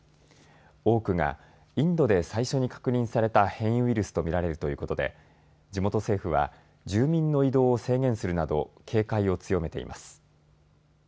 多くがインドで最初に確認された変異ウイルスと身られるということで地元政府は住民の移動を制限するなど警戒を強めています。